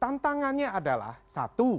tantangannya adalah satu